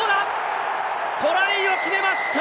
トライを決めました！